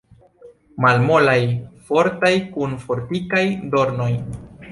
Malmolaj, fortaj, kun fortikaj dornoj.